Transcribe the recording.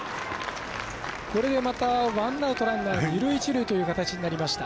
これでまたワンアウトランナー、二塁一塁という形になりました。